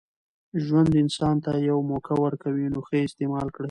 ژوند انسان ته یوه موکه ورکوي، نوښه ئې استعیمال کړئ!